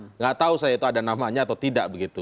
tidak tahu saya itu ada namanya atau tidak begitu